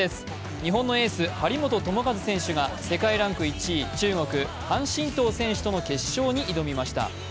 日本のエース・張本智和選手が世界ランク１位・中国、樊振東選手との決勝に挑みました。